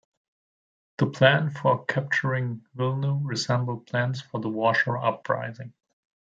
The plan for capturing Wilno resembled plans for the Warsaw Uprising.